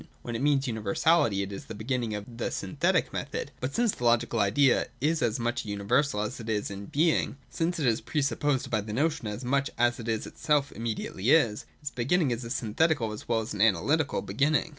When it means universality, it is the beginning of the synthetic method. But since the Logical Idea is as much a universal as it is in being — since it is pre supposed by the notion as much as it itself immediately is, its beginning is a synthetical as well as an analytical beginning.